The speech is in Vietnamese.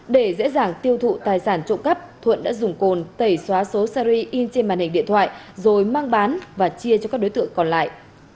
để dễ dàng tiêu thụ tài sản trộm cắp thuận đã dùng cồn tẩy xóa số series in trên màn hình điện thoại rồi mang bán và chia cho các đối tượng còn lại